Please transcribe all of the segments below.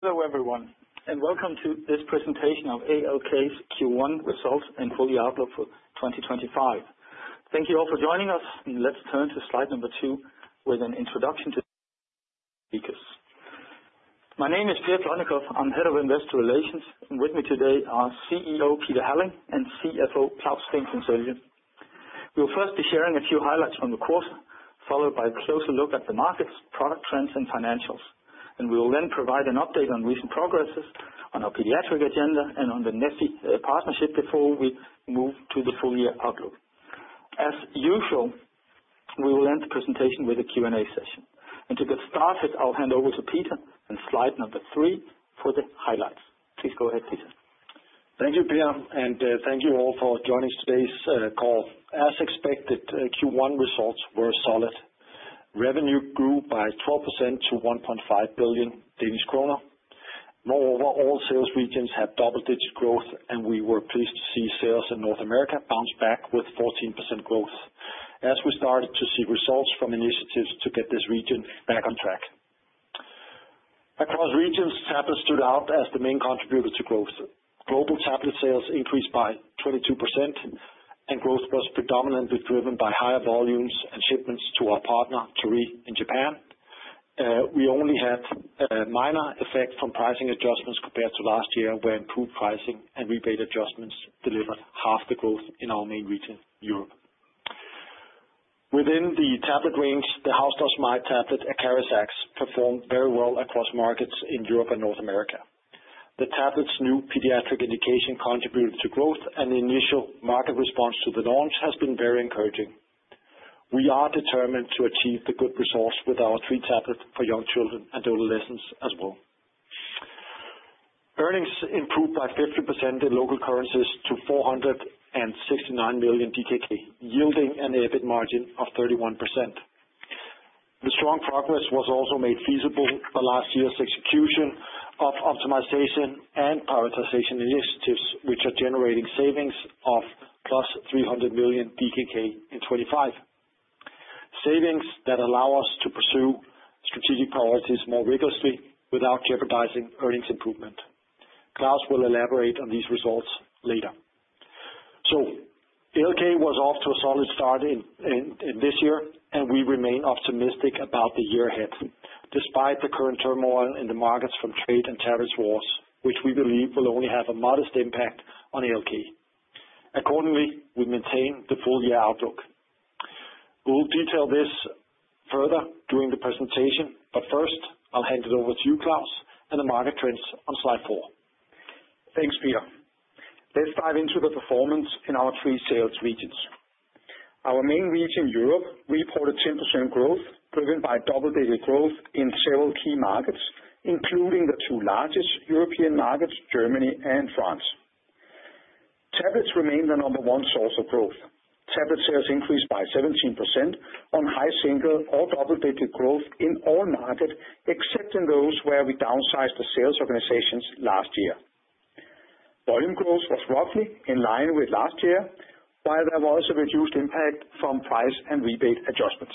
Hello everyone, and welcome to this presentation of ALK's Q1 results and full year outlook for 2025. Thank you all for joining us, and let's turn to slide number II with an introduction to speakers. My name is Per Plotnikof. I'm Head of Investor Relations, and with me today are CEO Peter Halling and CFO Claus Steensen Sølje. We will first be sharing a few highlights from the quarter, followed by a closer look at the markets, product trends, and financials. We will then provide an update on recent progresses on our pediatric agenda and on the neffy partnership before we move to the full year outlook. As usual, we will end the presentation with a Q&A session. To get started, I'll hand over to Peter and slide number three for the highlights. Please go ahead, Peter. Thank you, Per, and thank you all for joining today's call. As expected, Q1 results were solid. Revenue grew by 12% to 1.5 billion Danish kroner. Moreover, all sales regions had double-digit growth, and we were pleased to see sales in North America bounce back with 14% growth as we started to see results from initiatives to get this region back on track. Across regions, tablets stood out as the main contributor to growth. Global tablet sales increased by 22%, and growth was predominantly driven by higher volumes and shipments to our partner, Torii in Japan. We only had a minor effect from pricing adjustments compared to last year, where improved pricing and rebate adjustments delivered half the growth in our main region, Europe. Within the tablet range, the house dust mite tablet, ACARIZAX, performed very well across markets in Europe and North America. The tablet's new pediatric indication contributed to growth, and the initial market response to the launch has been very encouraging. We are determined to achieve the good results with our three tablets for young children and adolescents as well. Earnings improved by 50% in local currencies to 469 million DKK, yielding an EBIT margin of 31%. The strong progress was also made feasible by last year's execution of optimization and prioritization initiatives, which are generating savings of plus 300 million in 2025. Savings that allow us to pursue strategic priorities more rigorously without jeopardizing earnings improvement. Claus will elaborate on these results later. ALK was off to a solid start in this year, and we remain optimistic about the year ahead. Despite the current turmoil in the markets from trade and tariffs wars, which we believe will only have a modest impact on ALK, accordingly, we maintain the full year outlook. We will detail this further during the presentation, but first, I'll hand it over to you, Claus, and the market trends on slide IV. Thanks, Peter. Let's dive into the performance in our three sales regions. Our main region, Europe, reported 10% growth, driven by double-digit growth in several key markets, including the two largest European markets, Germany and France. Tablets remained the number one source of growth. Tablet sales increased by 17% on high single- or double-digit growth in all markets except in those where we downsized the sales organizations last year. Volume growth was roughly in line with last year, while there was a reduced impact from price and rebate adjustments.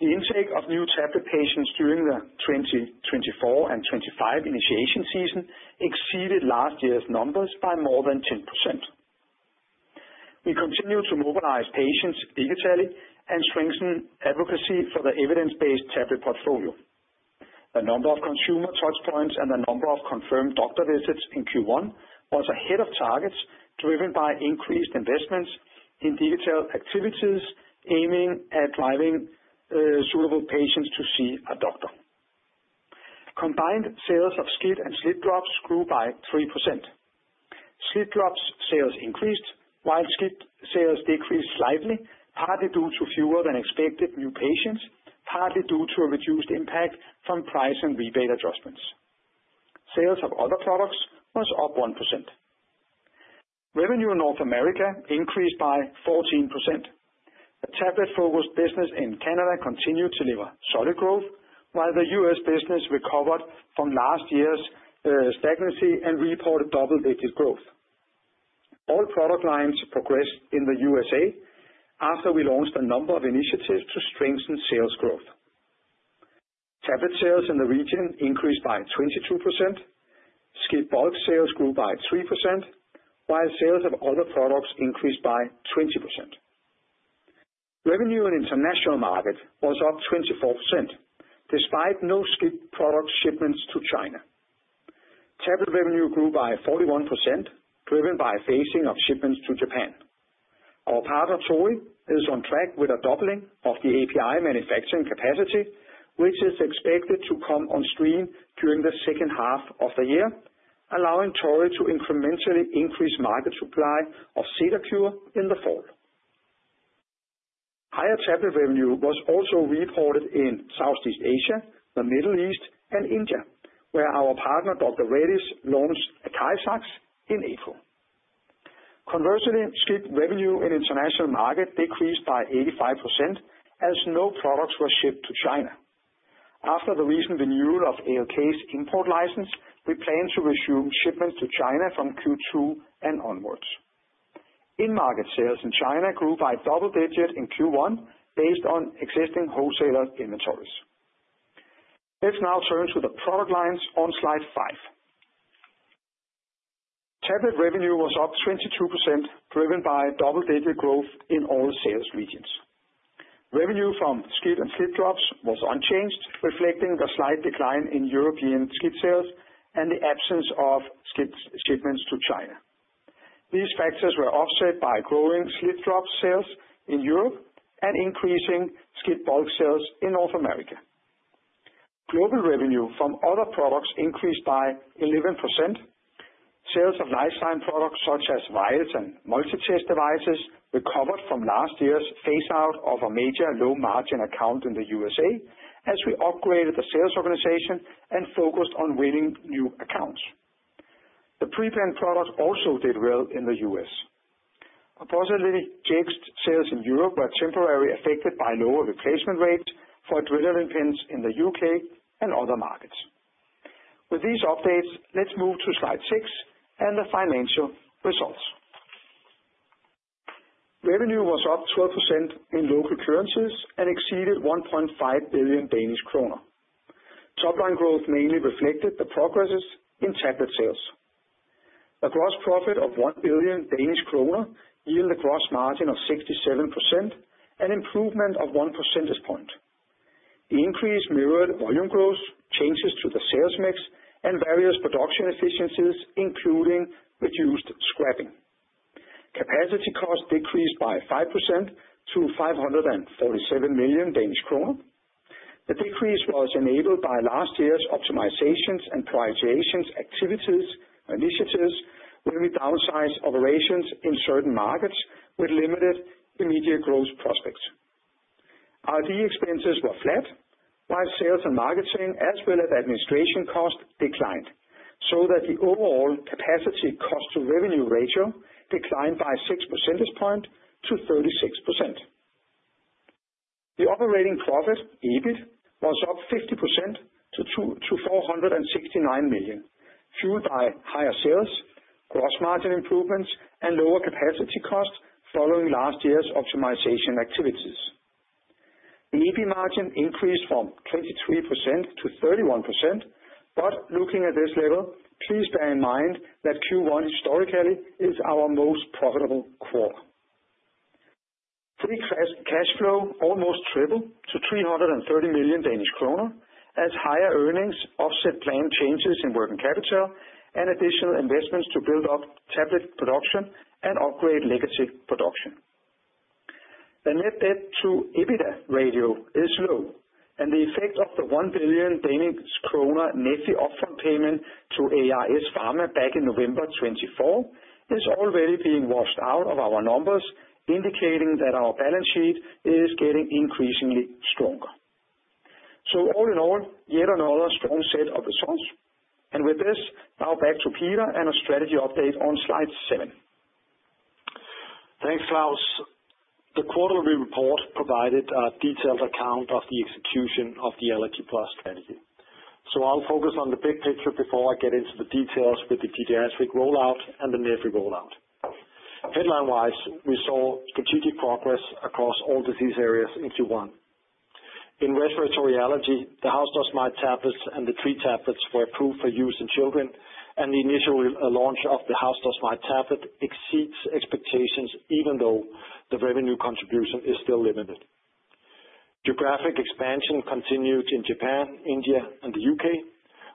The intake of new tablet patients during the 2024 and 2025 initiation season exceeded last year's numbers by more than 10%. We continued to mobilize patients digitally and strengthen advocacy for the evidence-based tablet portfolio. The number of consumer touchpoints and the number of confirmed doctor visits in Q1 was ahead of targets, driven by increased investments in digital activities aiming at driving suitable patients to see a doctor. Combined sales of SCIT and SLIT-drops grew by 3%. SLIT-drops sales increased, while SCIT sales decreased slightly, partly due to fewer than expected new patients, partly due to a reduced impact from price and rebate adjustments. Sales of other products was up 1%. Revenue in North America increased by 14%. The tablet-focused business in Canada continued to delever solid growth, while the US business recovered from last year's stagnancy and reported double-digit growth. All product lines progressed in the US after we launched a number of initiatives to strengthen sales growth. Tablet sales in the region increased by 22%. SCIT bulk sales grew by 3%, while sales of other products increased by 20%. Revenue in the international market was up 24%, despite no SCIT product shipments to China. Tablet revenue grew by 41%, driven by phasing of shipments to Japan. Our partner, Torii, is on track with a doubling of the API manufacturing capacity, which is expected to come on stream during the second half of the year, allowing Torii to incrementally increase market supply of CedarCure in the fall. Higher tablet revenue was also reported in Southeast Asia, the Middle East, and India, where our partner, Dr. Reddy's, launched ACARIZAX in April. Conversely, SCIT revenue in the international market decreased by 85% as no products were shipped to China. After the recent renewal of ALK's import license, we plan to resume shipments to China from Q2 and onwards. In-market sales in China grew by double-digit in Q1 based on existing wholesaler inventories. Let's now turn to the product lines on slide V. Tablet revenue was up 22%, driven by double-digit growth in all sales regions. Revenue from SCIT and SLIT-drops was unchanged, reflecting the slight decline in European SCIT sales and the absence of SCIT shipments to China. These factors were offset by growing SLIT-drop sales in Europe and increasing SCIT bulk sales in North America. Global revenue from other products increased by 11%. Sales of lifetime products such as vials and multitest devices recovered from last year's phase-out of a major low-margin account in the U.S.A as we upgraded the sales organization and focused on winning new accounts. The pre-planned product also did well in the U.S. Oppositely SCIT sales in Europe were temporarily affected by lower replacement rates for adrenaline pens in the U.K. and other markets. With these updates, let's move to slide VI and the financial results. Revenue was up 12% in local currencies and exceeded 1.5 billion Danish kroner. Top-line growth mainly reflected the progresses in tablet sales. A gross profit of 1 billion Danish kroner yielded a gross margin of 67% and an improvement of 1% point. The increase mirrored volume growth, changes to the sales mix, and various production efficiencies, including reduced scrapping. Capacity costs decreased by 5% to 547 million Danish kroner. The decrease was enabled by last year's optimizations and prioritization activities and initiatives when we downsized operations in certain markets with limited immediate growth prospects. R&D expenses were flat, while sales and marketing, as well as administration costs, declined, so that the overall capacity cost-to-revenue ratio declined by 6%points-36%. The operating profit, EBIT, was up 50% to 469 million, fueled by higher sales, gross margin improvements, and lower capacity costs following last year's optimization activities. The EBIT margin increased from 23%-31%, but looking at this level, please bear in mind that Q1 historically is our most profitable quarter. Free cash flow almost tripled to 330 million Danish kroner, as higher earnings offset planned changes in working capital and additional investments to build up tablet production and upgrade legacy production. The net debt to EBITDA ratio is low, and the effect of the 1 billion Danish kroner neffy upfront payment to AIS Pharma back in November 2024 is already being washed out of our numbers, indicating that our balance sheet is getting increasingly stronger. All in all, yet another strong set of results. With this, now back to Peter and a strategy update on slide VII. Thanks, Claus. The quarterly report provided a detailed account of the execution of the Allergy+ strategy. I'll focus on the big picture before I get into the details with the pediatric rollout and the neffy rollout. Headline-wise, we saw strategic progress across all disease areas in Q1. In respiratory allergy, the house dust mite tablets and the three tablets were approved for use in children, and the initial launch of the house dust mite tablet exceeds expectations, even though the revenue contribution is still limited. Geographic expansion continued in Japan, India, and the U.K.,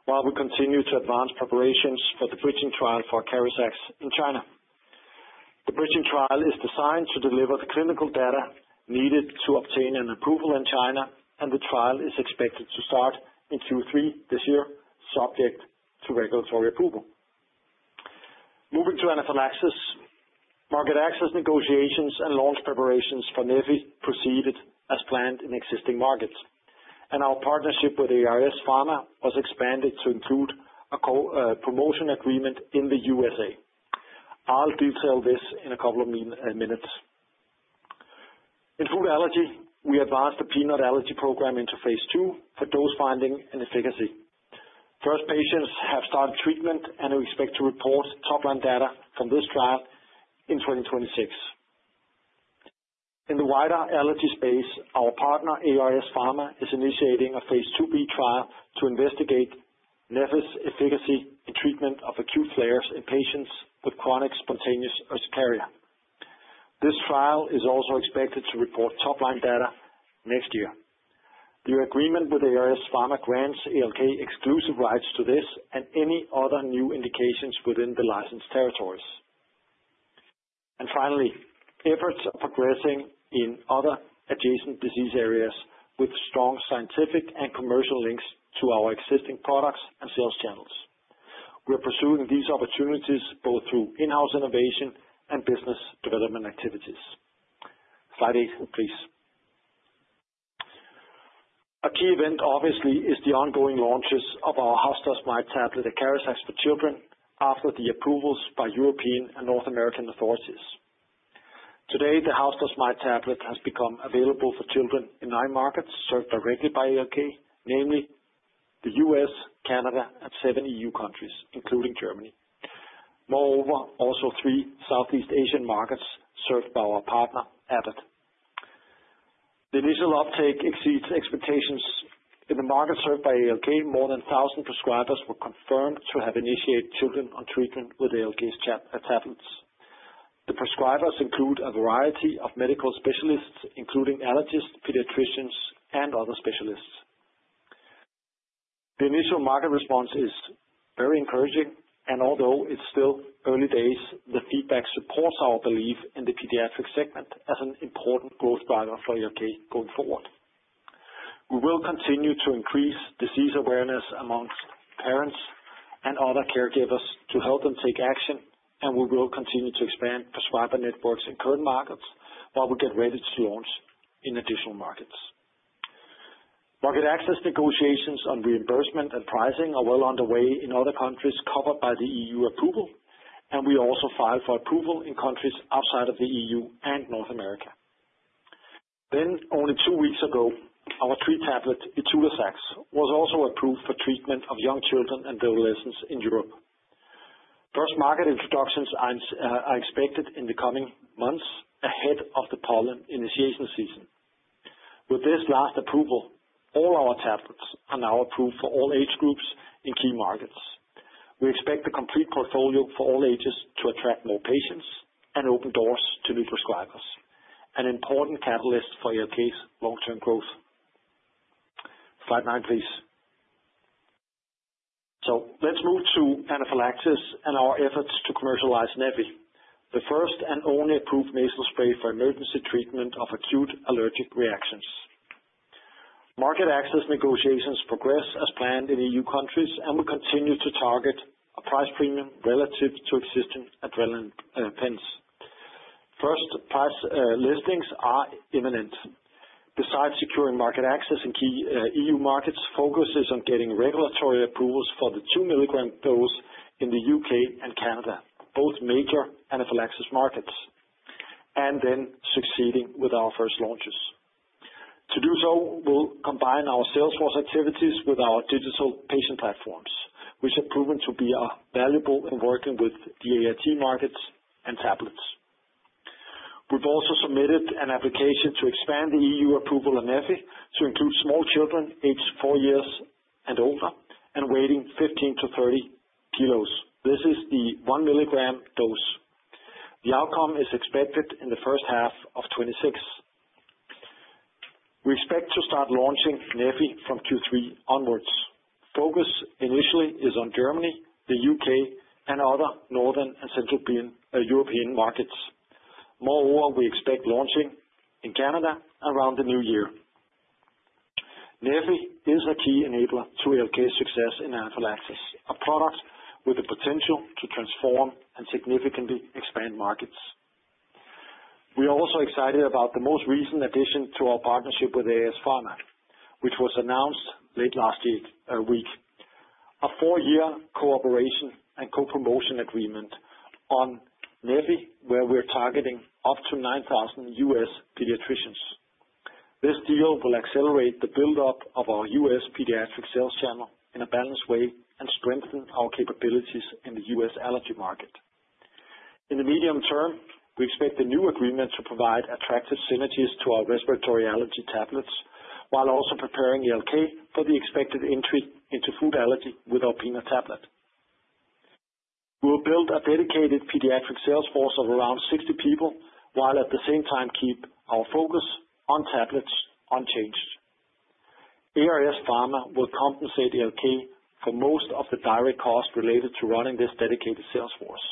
while we continue to advance preparations for the bridging trial for ACARIZAX in China. The bridging trial is designed to deliver the clinical data needed to obtain an approval in China, and the trial is expected to start in Q3 this year, subject to regulatory approval. Moving to Anaphylaxis, market access negotiations and launch preparations for neffy proceeded as planned in existing markets, and our partnership with AIS Pharma was expanded to include a promotion agreement in the U.S.A. I'll detail this in a couple of minutes. In food allergy, we advanced the peanut allergy program into phase II for dose finding and efficacy. First, patients have started treatment and expect to report top-line data from this trial in 2026. In the wider allergy space, our partner, AIS Pharma, is initiating a phase 2B trial to investigate neffy's efficacy in treatment of acute flares in patients with chronic spontaneous urticaria. This trial is also expected to report top-line data next year. The agreement with AIS Pharma grants ALK exclusive rights to this and any other new indications within the licensed territories. Finally, efforts are progressing in other adjacent disease areas with strong scientific and commercial links to our existing products and sales channels. We're pursuing these opportunities both through in-house innovation and business development activities. Slide VIII, please. A key event, obviously, is the ongoing launches of our house dust mite tablet, ACARIZAX for children, after the approvals by European and North American authorities. Today, the house dust mite tablet has become available for children in nine markets served directly by ALK, namely the U.S., Canada, and seven EU countries, including Germany. Moreover, also three Southeast Asian markets served by our partner, Abbott. The initial uptake exceeds expectations. In the markets served by ALK, more than 1,000 prescribers were confirmed to have initiated children on treatment with ALK tablets. The prescribers include a variety of medical specialists, including allergists, pediatricians, and other specialists. The initial market response is very encouraging, and although it's still early days, the feedback supports our belief in the pediatric segment as an important growth driver for ALK going forward. We will continue to increase disease awareness amongst parents and other caregivers to help them take action, and we will continue to expand prescriber networks in current markets while we get ready to launch in additional markets. Market access negotiations on reimbursement and pricing are well underway in other countries covered by the EU approval, and we also filed for approval in countries outside of the EU and North America. Only two weeks ago, our three tablets, ITULAZAX, was also approved for treatment of young children and adolescents in Europe. First market introductions are expected in the coming months ahead of the pollen initiation season. With this last approval, all our tablets are now approved for all age groups in key markets. We expect the complete portfolio for all ages to attract more patients and open doors to new prescribers, an important catalyst for ALK's long-term growth. Slide IX, please. Let's move to Anaphylaxis and our efforts to commercialize neffy, the first and only approved nasal spray for emergency treatment of acute allergic reactions. Market access negotiations progress as planned in EU countries, and we continue to target a price premium relative to existing adrenaline pens. First price listings are imminent. Besides securing market access in key EU markets, the focus is on getting regulatory approvals for the 2 mg dose in the U.K. and Canada, both major Anaphylaxis markets, and then succeeding with our first launches. To do so, we'll combine our Salesforce activities with our digital patient platforms, which have proven to be valuable in working with the AIT markets and tablets. We've also submitted an application to expand the EU approval of neffy to include small children aged four years and older and weighing 15-30 kl. This is the 1 mg dose. The outcome is expected in the first half of 2026. We expect to start launching neffy from Q3 onwards. Focus initially is on Germany, the U.K., and other northern and central European markets. Moreover, we expect launching in Canada around the new year. neffy is a key enabler to ALK's success in Anaphylaxis, a product with the potential to transform and significantly expand markets. We are also excited about the most recent addition to our partnership with AIS Pharma, which was announced late last week, a four-year cooperation and co-promotion agreement on neffy, where we're targeting up to 9,000 US pediatricians. This deal will accelerate the build-up of our U.S. pediatric sales channel in a balanced way and strengthen our capabilities in the U.S. allergy market. In the medium term, we expect the new agreement to provide attractive synergies to our respiratory allergy tablets while also preparing ALK for the expected entry into food allergy with our peanut tablet. We will build a dedicated pediatric sales force of around 60 people while at the same time keep our focus on tablets unchanged. AIS Pharma will compensate ALK for most of the direct costs related to running this dedicated sales force.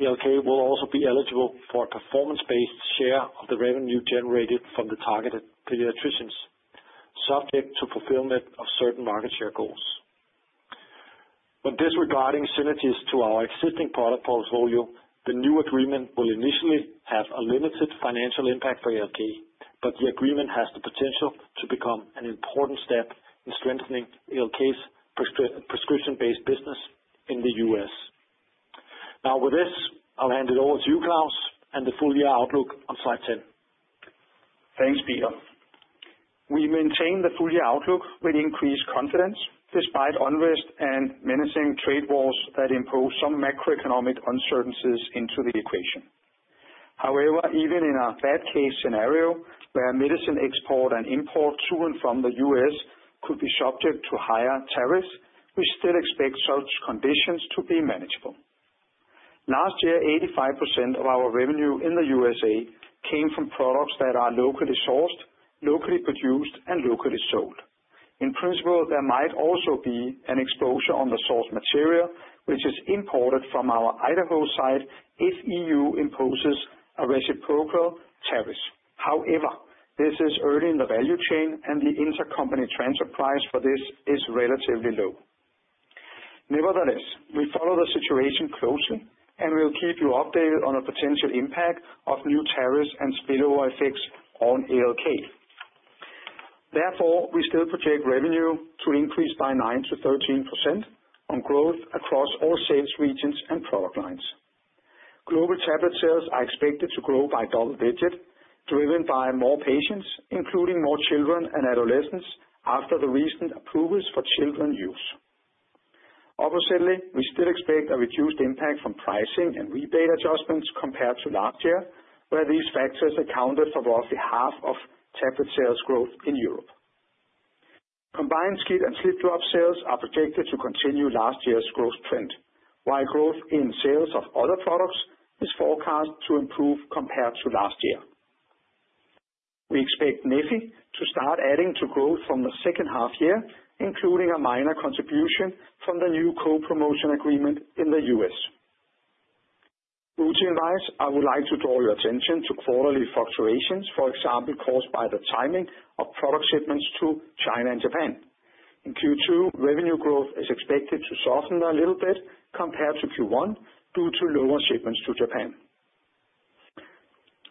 ALK will also be eligible for a performance-based share of the revenue generated from the targeted pediatricians, subject to fulfillment of certain market share goals. Regarding synergies to our existing product portfolio, the new agreement will initially have a limited financial impact for ALK, but the agreement has the potential to become an important step in strengthening ALK's prescription-based business in the U.S. Now, with this, I'll hand it over to you, Claus, and the full year outlook on slide X. Thanks, Peter. We maintain the full year outlook with increased confidence despite unrest and menacing trade wars that impose some macroeconomic uncertainties into the equation. However, even in a bad case scenario where medicine export and import to and from the U.S. could be subject to higher tariffs, we still expect such conditions to be manageable. Last year, 85% of our revenue in the US came from products that are locally sourced, locally produced, and locally sold. In principle, there might also be an exposure on the source material, which is imported from our Idaho site if the EU imposes a reciprocal tariff. However, this is early in the value chain, and the intercompany transfer price for this is relatively low. Nevertheless, we follow the situation closely, and we'll keep you updated on the potential impact of new tariffs and spillover effects on ALK. Therefore, we still project revenue to increase by 9-13% on growth across all sales regions and product lines. Global tablet sales are expected to grow by double digit, driven by more patients, including more children and adolescents after the recent approvals for children's use. Oppositely, we still expect a reduced impact from pricing and rebate adjustments compared to last year, where these factors accounted for roughly half of tablet sales growth in Europe. Combined SCIT and SLIT-drop sales are projected to continue last year's growth trend, while growth in sales of other products is forecast to improve compared to last year. We expect neffy to start adding to growth from the second half year, including a minor contribution from the new co-promotion agreement in the U.S. Routine-wise, I would like to draw your attention to quarterly fluctuations, for example, caused by the timing of product shipments to China and Japan. In Q2, revenue growth is expected to soften a little bit compared to Q1 due to lower shipments to Japan.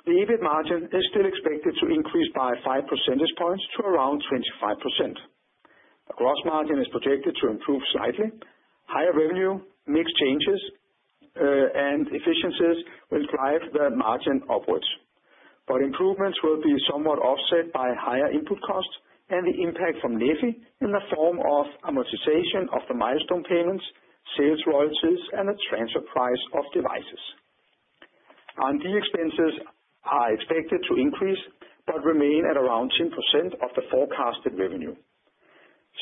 The EBIT margin is still expected to increase by 5 percentage points to around 25%. The gross margin is projected to improve slightly. Higher revenue, mixed changes, and efficiencies will drive the margin upwards. Improvements will be somewhat offset by higher input costs and the impact from neffy in the form of amortization of the milestone payments, sales royalties, and the transfer price of devices. R&D expenses are expected to increase but remain at around 10% of the forecasted revenue.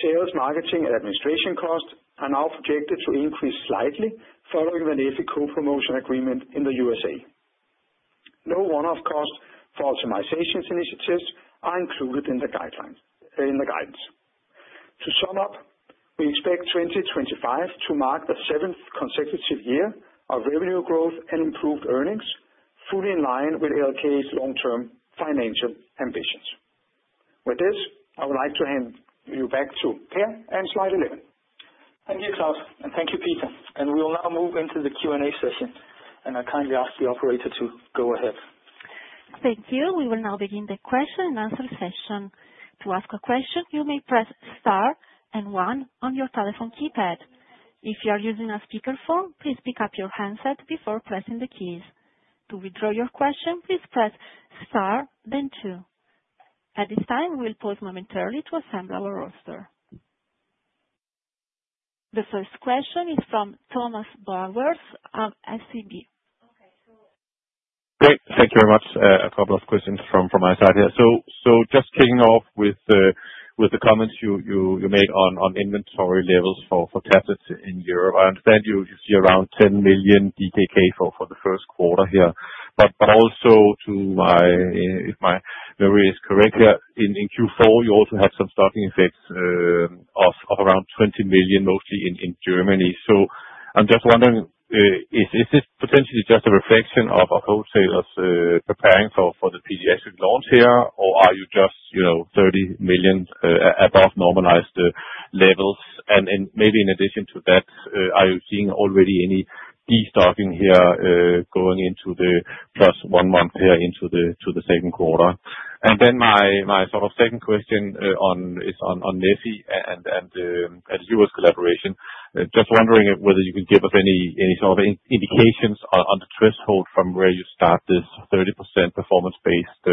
Sales, marketing, and administration costs are now projected to increase slightly following the neffy co-promotion agreement in the U.S.A. No one-off costs for optimization initiatives are included in the guidance. To sum up, we expect 2025 to mark the seventh consecutive year of revenue growth and improved earnings, fully in line with ALK's long-term financial ambitions. With this, I would like to hand you back to Per and slide XI. Thank you, Claus, and thank you, Peter. We will now move into the Q&A session, and I kindly ask the operator to go ahead. Thank you. We will now begin the question and answer session. To ask a question, you may press star and one on your telephone keypad. If you are using a speakerphone, please pick up your handset before pressing the keys. To withdraw your question, please press star, then two. At this time, we'll pause momentarily to assemble our roster. The first question is from Thomas Bowers of SEB. Okay. So. Great. Thank you very much. A couple of questions from my side here. Just kicking off with the comments you made on inventory levels for tablets in Europe, I understand you see around 10 million DKK for the first quarter here. Also, if my memory is correct here, in Q4, you also had some stocking effects of around 20 million, mostly in Germany. I am just wondering, is this potentially just a reflection of wholesalers preparing for the pediatric launch here, or are you just 30 million above normalized levels? Maybe in addition to that, are you seeing already any destocking here going into the plus one month here into the second quarter? My sort of second question is on neffy and the U.S. collaboration. Just wondering whether you can give us any sort of indications on the threshold from where you start this 30% performance-based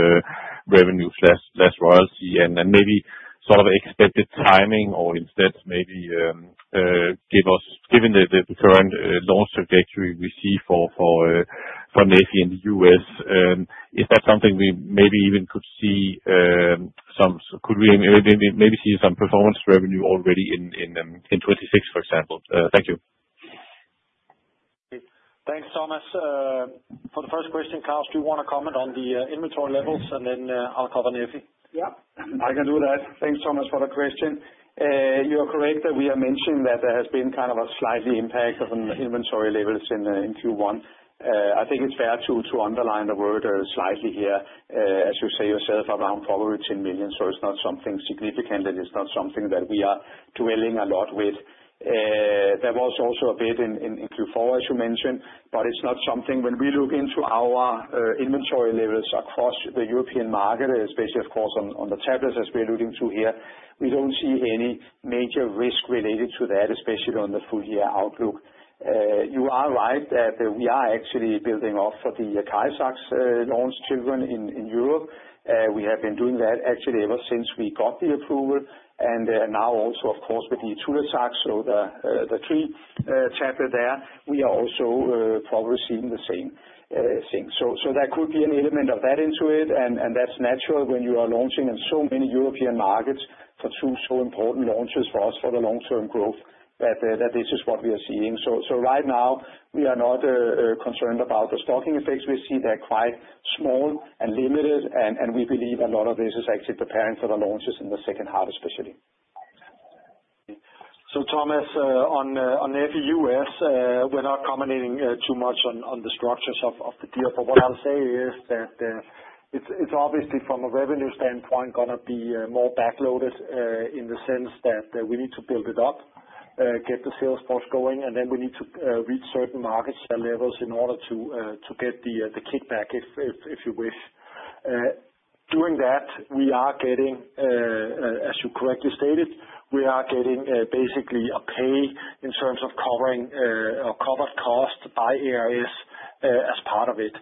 revenue/royalty and maybe sort of expected timing or instead maybe give us, given the current launch trajectory we see for neffy in the U.S., is that something we maybe even could see some performance revenue already in 2026, for example? Thank you. Thanks, Thomas. For the first question, Claus, do you want to comment on the inventory levels, and then I'll cover neffy? Yep. I can do that. Thanks, Thomas, for the question. You are correct that we are mentioning that there has been kind of a slight impact on inventory levels in Q1. I think it's fair to underline the word slightly here, as you say yourself, around 10 million. It is not something significant. It is not something that we are dwelling a lot with. There was also a bit in Q4, as you mentioned, but it is not something when we look into our inventory levels across the European market, especially, of course, on the tablets as we are looking to here, we do not see any major risk related to that, especially on the full year outlook. You are right that we are actually building off for the ACARIZAX launch children in Europe. We have been doing that actually ever since we got the approval. Now also, of course, with the ITULAZAX, so the three tablets there, we are also probably seeing the same thing. There could be an element of that into it, and that's natural when you are launching in so many European markets for two so important launches for us for the long-term growth that this is what we are seeing. Right now, we are not concerned about the stocking effects. We see they're quite small and limited, and we believe a lot of this is actually preparing for the launches in the second half, especially. Thomas, on neffy U.S., we're not commenting too much on the structures of the deal. What I'll say is that it's obviously from a revenue standpoint going to be more backloaded in the sense that we need to build it up, get the sales force going, and then we need to reach certain market share levels in order to get the kickback, if you wish. Doing that, we are getting, as you correctly stated, we are getting basically a pay in terms of covering a covered cost by AIS as part of it.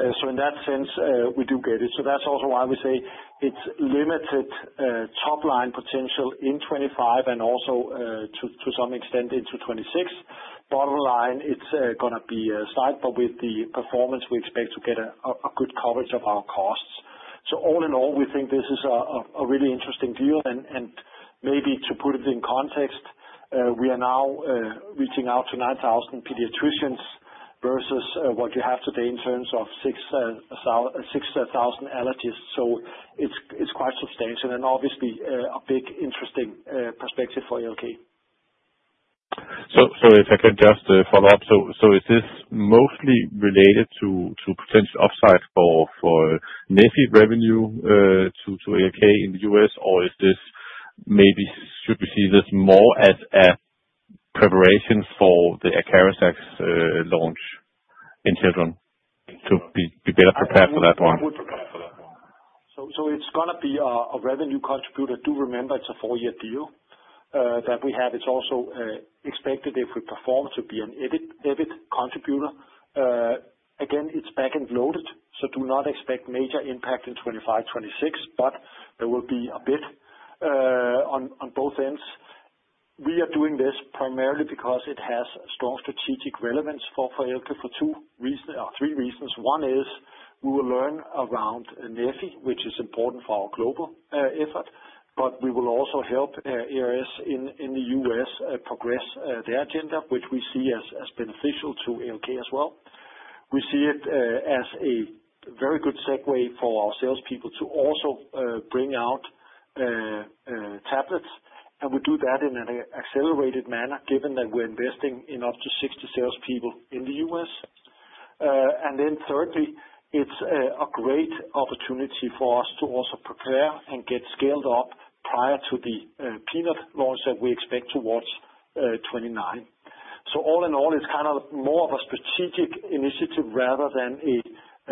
In that sense, we do get it. That's also why we say it's limited top-line potential in 2025 and also to some extent into 2026. Bottom line, it's going to be a slight, but with the performance, we expect to get a good coverage of our costs. All in all, we think this is a really interesting deal. Maybe to put it in context, we are now reaching out to 9,000 pediatricians versus what you have today in terms of 6,000 allergists. It is quite substantial and obviously a big interesting perspective for ALK. If I could just follow up, is this mostly related to potential upside for neffy revenue to ALK in the U.S., or should we see this more as a preparation for the ACARIZAX launch in Denmark to be better prepared for that one? It's going to be a revenue contributor. Do remember it's a four-year deal that we have. It's also expected if we perform to be an EBIT contributor. Again, it's back-end loaded, so do not expect major impact in 2025, 2026, but there will be a bit on both ends. We are doing this primarily because it has strong strategic relevance for ALK for three reasons. One is we will learn around neffy, which is important for our global effort, but we will also help AIS in the U.S. progress their agenda, which we see as beneficial to ALK as well. We see it as a very good segue for our salespeople to also bring out tablets. We do that in an accelerated manner given that we're investing in up to 60 salespeople in the U.S. Thirdly, it is a great opportunity for us to also prepare and get scaled up prior to the peanut launch that we expect towards 2029. All in all, it is kind of more of a strategic initiative rather than a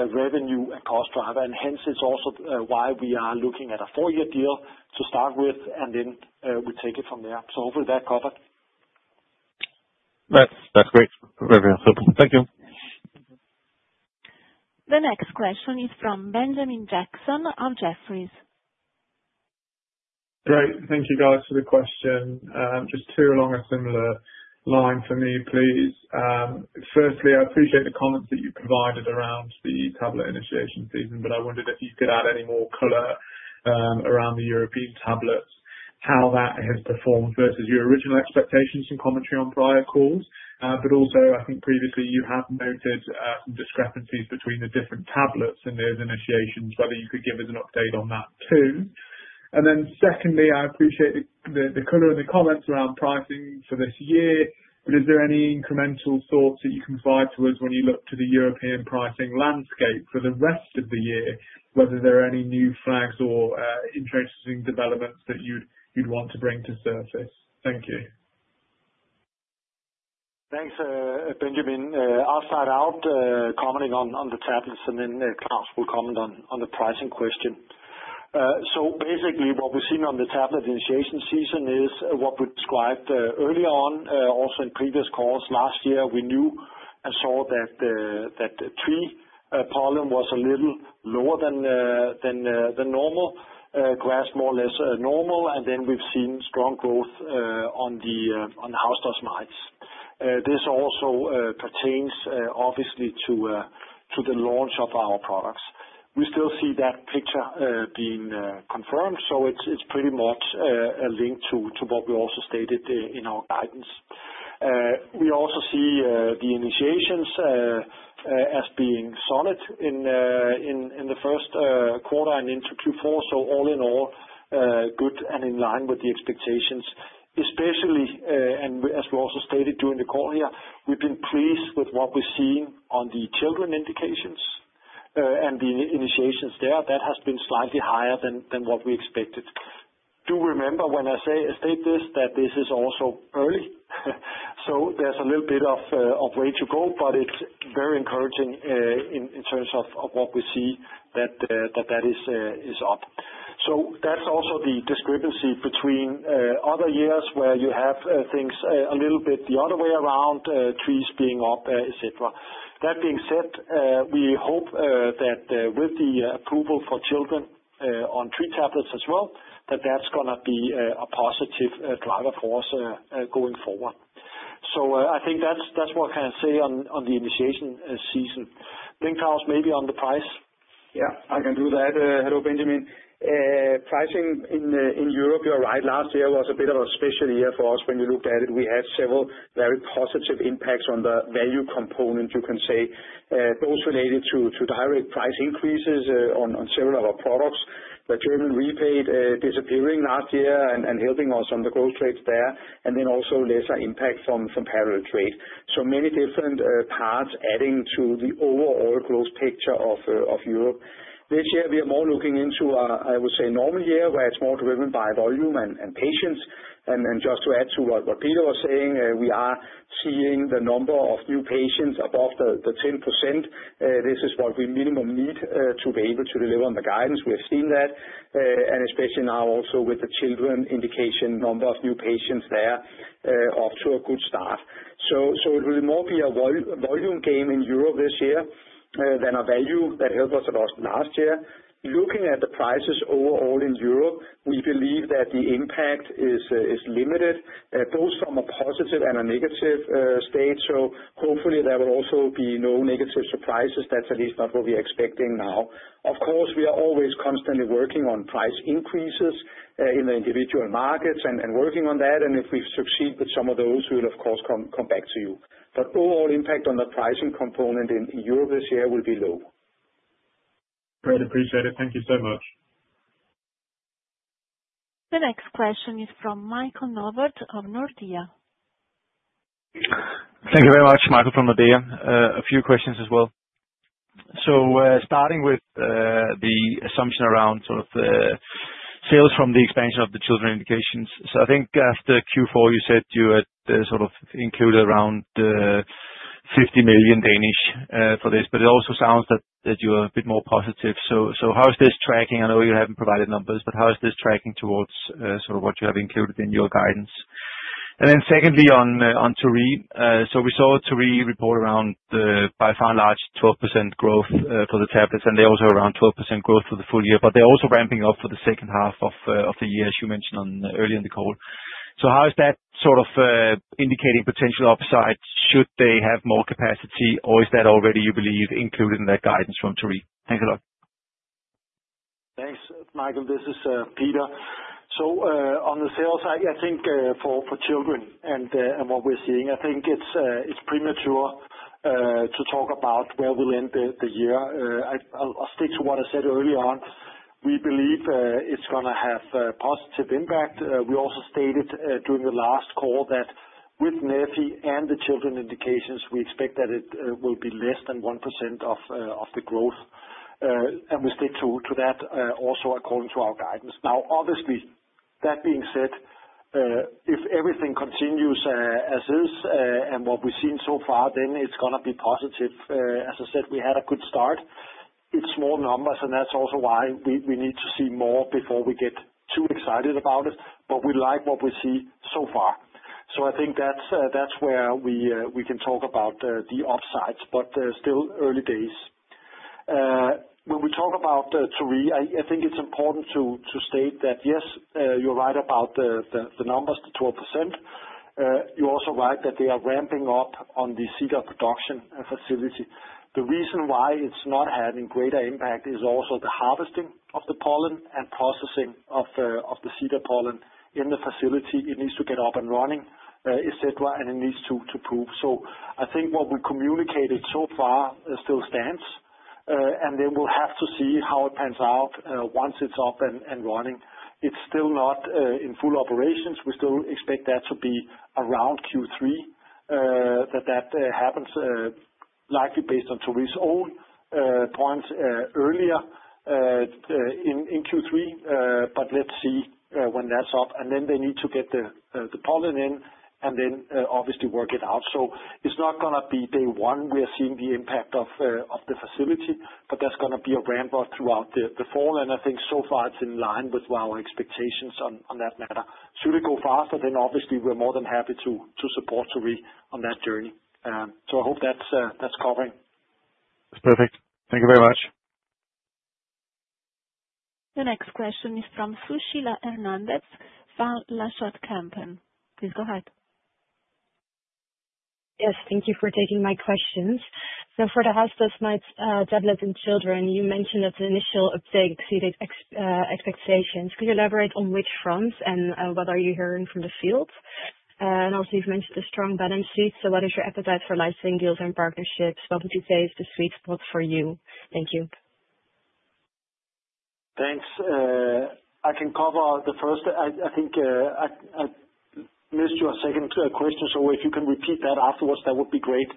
revenue and cost driver. Hence, it is also why we are looking at a four-year deal to start with, and then we take it from there. Hopefully that covered. That's great. Very simple. Thank you. The next question is from Benjamin Jackson of Jefferies. Great. Thank you, guys, for the question. Just two along a similar line for me, please. Firstly, I appreciate the comments that you provided around the tablet initiation season, but I wondered if you could add any more color around the European tablets, how that has performed versus your original expectations and commentary on prior calls. I think previously you have noted some discrepancies between the different tablets and those initiations, whether you could give us an update on that too. Secondly, I appreciate the color and the comments around pricing for this year. Is there any incremental thoughts that you can provide to us when you look to the European pricing landscape for the rest of the year, whether there are any new flags or interesting developments that you'd want to bring to surface? Thank you. Thanks, Benjamin. I'll start out commenting on the tablets, and then Claus will comment on the pricing question. Basically, what we've seen on the tablet initiation season is what we described earlier on, also in previous calls last year. We knew and saw that tree pollen was a little lower than normal, grass more or less normal, and then we've seen strong growth on house dust mites. This also pertains obviously to the launch of our products. We still see that picture being confirmed, so it's pretty much a link to what we also stated in our guidance. We also see the initiations as being solid in the first quarter and into Q4. All in all, good and in line with the expectations, especially, and as we also stated during the call here, we've been pleased with what we've seen on the children indications and the initiations there. That has been slightly higher than what we expected. Do remember when I say state this that this is also early. So there's a little bit of way to go, but it's very encouraging in terms of what we see that that is up. That's also the discrepancy between other years where you have things a little bit the other way around, trees being up, etc. That being said, we hope that with the approval for children on tree tablets as well, that that's going to be a positive driver for us going forward. I think that's what I can say on the initiation season. Think, Claus, maybe on the price? Yeah, I can do that. Hello, Benjamin. Pricing in Europe, you're right, last year was a bit of a special year for us. When you looked at it, we had several very positive impacts on the value component, you can say, both related to direct price increases on several of our products, the German rebate disappearing last year and helping us on the growth rates there, and then also lesser impact from parallel trade. So many different parts adding to the overall growth picture of Europe. This year, we are more looking into, I would say, normal year where it's more driven by volume and patients. And just to add to what Peter was saying, we are seeing the number of new patients above the 10%. This is what we minimum need to be able to deliver on the guidance. We have seen that, and especially now also with the children indication, number of new patients there off to a good start. It will more be a volume game in Europe this year than a value that helped us last year. Looking at the prices overall in Europe, we believe that the impact is limited, both from a positive and a negative state. Hopefully there will also be no negative surprises. That is at least not what we are expecting now. Of course, we are always constantly working on price increases in the individual markets and working on that. If we succeed with some of those, we will, of course, come back to you. Overall impact on the pricing component in Europe this year will be low. Great. Appreciate it. Thank you so much. The next question is from Michael Novod of Nordea. Thank you very much, Michael from Nordea. A few questions as well. Starting with the assumption around sort of sales from the expansion of the children indications. I think after Q4, you said you had sort of included around 50 million for this, but it also sounds that you are a bit more positive. How is this tracking? I know you have not provided numbers, but how is this tracking towards sort of what you have included in your guidance? Secondly, on Torii. We saw Torii report around, by far large, 12% growth for the tablets, and they also have around 12% growth for the full year. They are also ramping up for the second half of the year, as you mentioned earlier in the call. How is that sort of indicating potential upside? Should they have more capacity, or is that already, you believe, included in that guidance from Torii? Thanks a lot. Thanks. Michael, this is Peter. On the sales side, I think for children and what we are seeing, I think it is premature to talk about where we will end the year. I will stick to what I said earlier on. We believe it is going to have a positive impact. We also stated during the last call that with neffy and the children indications, we expect that it will be less than 1% of the growth. We stick to that also according to our guidance. Obviously, that being said, if everything continues as is and what we have seen so far, it is going to be positive. As I said, we had a good start. It is small numbers, and that is also why we need to see more before we get too excited about it. We like what we see so far. I think that's where we can talk about the upsides, but still early days. When we talk about Torii, I think it's important to state that, yes, you're right about the numbers, the 12%. You're also right that they are ramping up on the cedar production facility. The reason why it's not having greater impact is also the harvesting of the pollen and processing of the cedar pollen in the facility. It needs to get up and running, etc., and it needs to prove. I think what we communicated so far still stands. We'll have to see how it pans out once it's up and running. It's still not in full operations. We still expect that to be around Q3, that that happens, likely based on Torii's own points earlier in Q3. Let's see when that's up. They need to get the pollen in and then obviously work it out. It is not going to be day one we are seeing the impact of the facility, but that is going to be a ramp-up throughout the fall. I think so far it is in line with our expectations on that matter. Should it go faster, then obviously we are more than happy to support Torii on that journey. I hope that is covering. That's perfect. Thank you very much. The next question is from Sushila Hernandez Van Lanschot Kempen. Please go ahead. Yes, thank you for taking my questions. For the house dust mites, tablets, and children, you mentioned that the initial update exceeded expectations. Could you elaborate on which fronts and what are you hearing from the field? You have mentioned a strong balance sheet. What is your appetite for licensing deals and partnerships? What would you say is the sweet spot for you? Thank you. Thanks. I can cover the first. I think I missed your second question, so if you can repeat that afterwards, that would be great.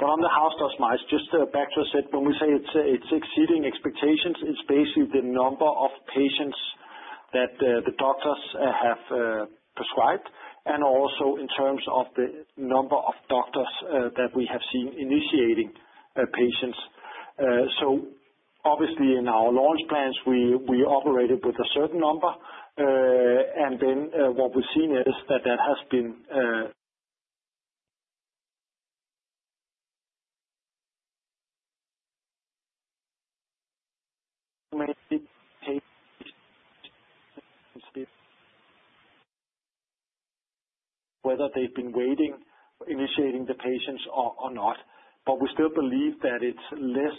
On the house dust mites, just back to what I said, when we say it is exceeding expectations, it is basically the number of patients that the doctors have prescribed and also in terms of the number of doctors that we have seen initiating patients. Obviously, in our launch plans, we operated with a certain number. What we have seen is that that has been whether they have been waiting, initiating the patients or not. We still believe that it is less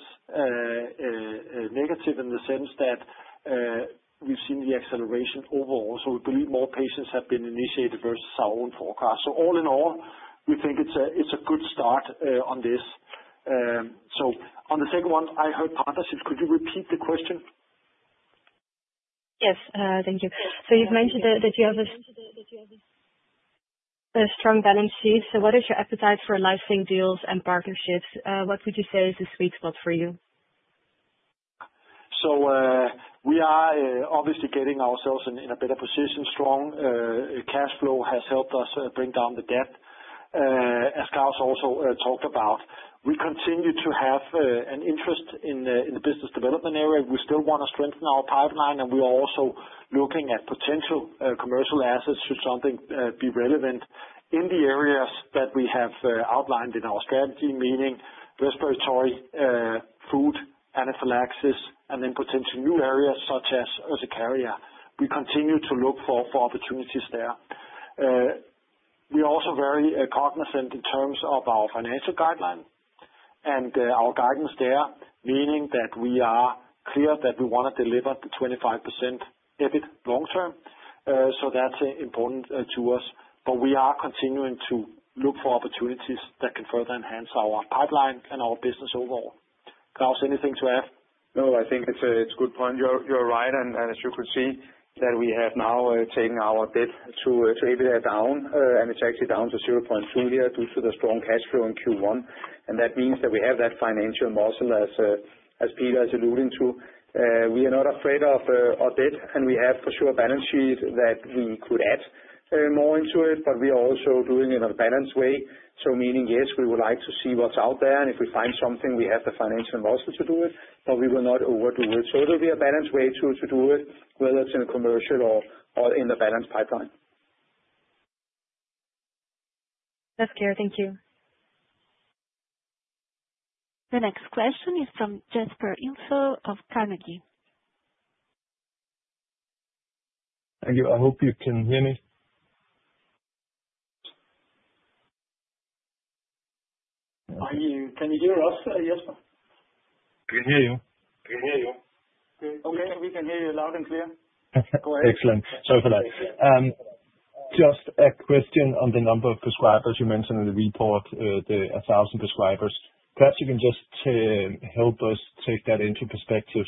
negative in the sense that we have seen the acceleration overall. We believe more patients have been initiated versus our own forecast. All in all, we think it is a good start on this. On the second one, I heard partnerships. Could you repeat the question? Yes, thank you. So you've mentioned that you have a strong balance sheet. What is your appetite for licensing deals and partnerships? What would you say is the sweet spot for you? We are obviously getting ourselves in a better position. Strong cash flow has helped us bring down the gap. As Claus also talked about, we continue to have an interest in the business development area. We still want to strengthen our pipeline, and we are also looking at potential commercial assets should something be relevant in the areas that we have outlined in our strategy, meaning respiratory, food, Anaphylaxis, and then potential new areas such as Urticaria. We continue to look for opportunities there. We are also very cognizant in terms of our financial guideline and our guidance there, meaning that we are clear that we want to deliver the 25% EBIT long term. That is important to us. We are continuing to look for opportunities that can further enhance our pipeline and our business overall. Claus, anything to add? No, I think it's a good point. You're right. As you could see, we have now taken our debt to EBITDA down, and it's actually down to 0.2 here due to the strong cash flow in Q1. That means we have that financial muscle, as Peter is alluding to. We are not afraid of our debt, and we have for sure a balance sheet that we could add more into, but we are also doing it in a balanced way. Meaning, yes, we would like to see what's out there, and if we find something, we have the financial muscle to do it, but we will not overdo it. It will be a balanced way to do it, whether it's in a commercial or in the balanced pipeline. That's clear. Thank you. The next question is from Jesper Ilsøe of Carnegie. Thank you. I hope you can hear me. Can you hear us, Jesper? I can hear you. We can hear you. Okay. We can hear you loud and clear. Go ahead. Excellent. Sorry for that. Just a question on the number of prescribers you mentioned in the report, the 1,000 prescribers. Perhaps you can just help us take that into perspective.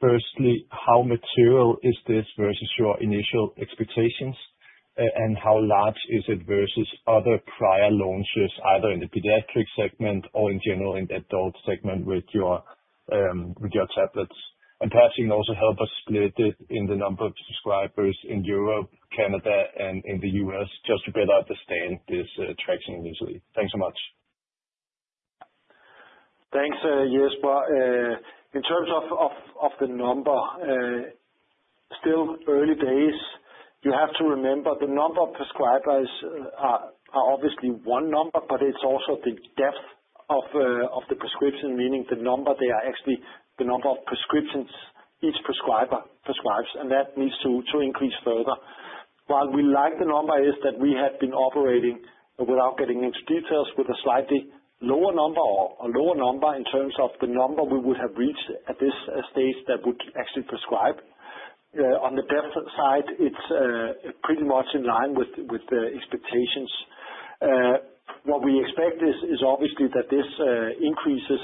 Firstly, how material is this versus your initial expectations, and how large is it versus other prior launches, either in the pediatric segment or in general in the adult segment with your tablets? Perhaps you can also help us split it in the number of prescribers in Europe, Canada, and in the U.S. just to better understand this traction initially. Thanks so much. Thanks, Jesper. In terms of the number, still early days. You have to remember the number of prescribers is obviously one number, but it is also the depth of the prescription, meaning the number they are actually the number of prescriptions each prescriber prescribes, and that needs to increase further. What we like about the number is that we have been operating, without getting into details, with a slightly lower number or lower number in terms of the number we would have reached at this stage that would actually prescribe. On the depth side, it is pretty much in line with the expectations. What we expect is obviously that this increases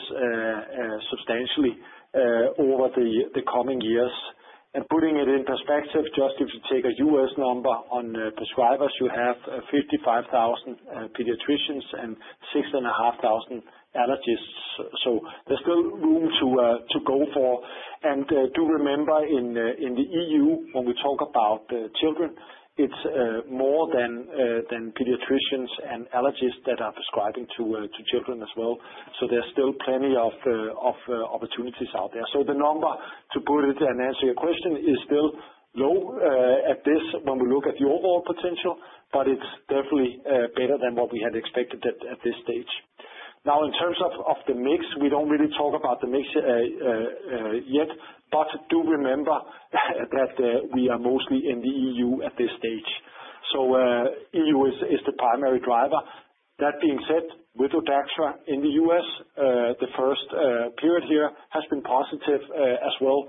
substantially over the coming years. Putting it in perspective, just if you take a U.S. number on prescribers, you have 55,000 pediatricians and 6,500 allergists. There is still room to go for. Do remember in the EU, when we talk about children, it's more than pediatricians and allergists that are prescribing to children as well. There are still plenty of opportunities out there. The number, to put it and answer your question, is still low at this when we look at the overall potential, but it's definitely better than what we had expected at this stage. In terms of the mix, we don't really talk about the mix yet, but do remember that we are mostly in the EU at this stage. EU is the primary driver. That being said, with Odactra in the U.S., the first period here has been positive as well.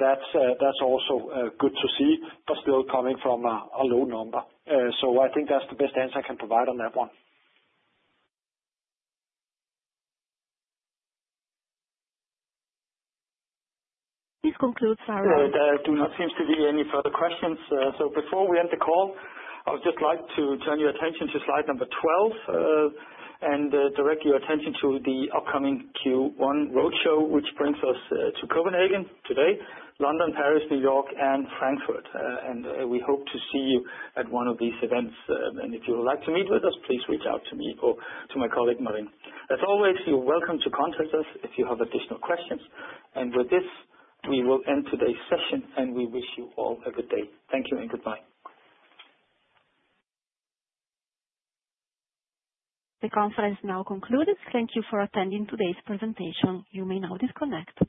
That's also good to see, but still coming from a low number. I think that's the best answer I can provide on that one. This concludes our round. There do not seem to be any further questions. Before we end the call, I would just like to turn your attention to slide number XII and direct your attention to the upcoming Q1 roadshow, which brings us to Copenhagen today, London, Paris, New York, and Frankfurt. We hope to see you at one of these events. If you would like to meet with us, please reach out to me or to my colleague, Marin. As always, you are welcome to contact us if you have additional questions. With this, we will end today's session, and we wish you all a good day. Thank you and goodbye. The conference now concludes. Thank you for attending today's presentation. You may now disconnect.